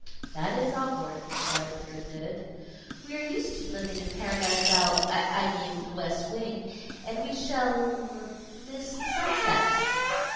"That is awkward," the Dowager admitted. "We are used to living in Paradise Al I mean, the West Wing and we shall er miss the sunsets."